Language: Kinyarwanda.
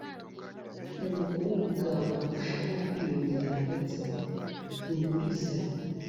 ubukungu bwawe burusheho kwiyongera, ndetse ungurize